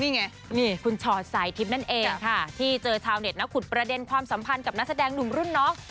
นี่ไงนี่คุณชอตสายทิพย์นั่นเองค่ะที่เจอชาวเน็ตนะขุดประเด็นความสัมพันธ์กับนักแสดงหนุ่มรุ่นน้อง